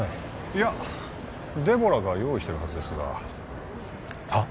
いやデボラが用意してるはずですがはっ？